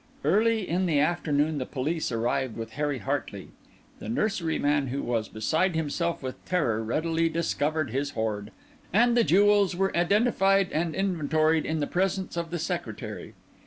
Early in the afternoon the police arrived with Harry Hartley. The nurseryman, who was beside himself with terror, readily discovered his hoard; and the jewels were identified and inventoried in the presence of the Secretary.